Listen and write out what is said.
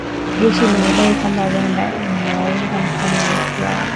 Jeshi limedai kwamba Rwanda inawaunga mkono waasi hao